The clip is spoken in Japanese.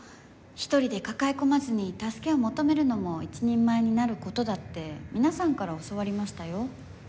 一人で抱え込まずに助けを求めるのも一人前になる事だって皆さんから教わりましたよ。